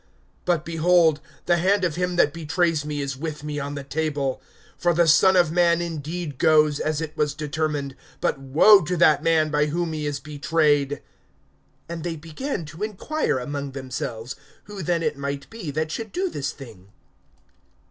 (21)But, behold, the hand of him that betrays me is with me on the table. (22)For the Son of man indeed goes, as it was determined; but woe to that man by whom he is betrayed! (23)And they began to inquire among themselves, who then it might be that should do this thing?